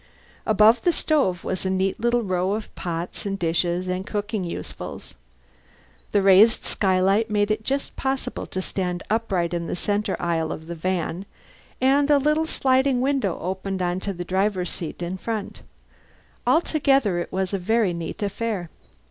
Above the stove was a neat little row of pots and dishes and cooking usefuls. The raised skylight made it just possible to stand upright in the centre aisle of the van; and a little sliding window opened onto the driver's seat in front. Altogether it was a very neat affair.